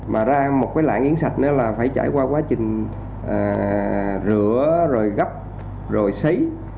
mà ra một cái lạng yến sạch đó là phải trải qua quá trình rửa rồi gắp rồi xấy